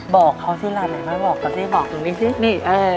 บอกเค้าสิล่ะ